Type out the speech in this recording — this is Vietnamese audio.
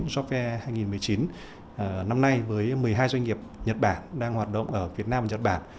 job fair hai nghìn một mươi chín năm nay với một mươi hai doanh nghiệp nhật bản đang hoạt động ở việt nam và nhật bản